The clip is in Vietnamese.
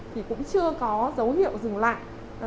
thì cũng chưa có dấu hiệu dừng lại